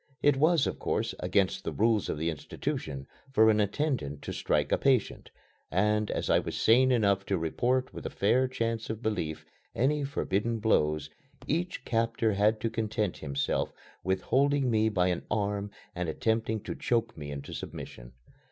It was, of course, against the rules of the institution for an attendant to strike a patient, and, as I was sane enough to report with a fair chance of belief any forbidden blows, each captor had to content himself with holding me by an arm and attempting to choke me into submission.